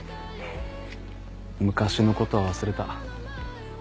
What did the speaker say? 昔の事は忘れた。